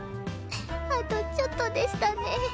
あとちょっとでしたね。